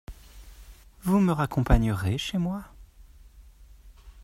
Vous me raccompagnerez chez moi ?